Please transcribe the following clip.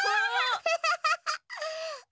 アハハハッ！